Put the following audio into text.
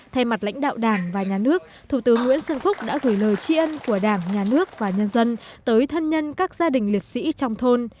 thay mặt lãnh đạo đảng và nhà nước thủ tướng nguyễn xuân phúc đã gửi lời tri ân của đảng nhà nước và nhân dân tới thân nhân các gia đình liệt sĩ trong thôn